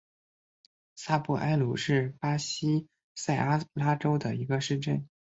萨布埃鲁是巴西塞阿拉州的一个市镇。